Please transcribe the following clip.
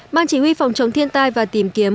ban chỉ huy phòng chống thiên tai và tìm kiếm